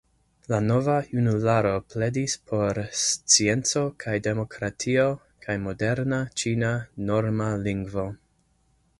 La Nova Junularo pledis por scienco kaj demokratio kaj moderna ĉina norma lingvo.